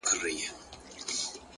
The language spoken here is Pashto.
صبر د سختو پړاوونو پُل دی.!